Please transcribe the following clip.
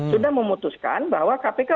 sudah memutuskan bahwa kpk